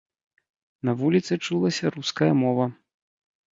На вуліцы чулася руская мова.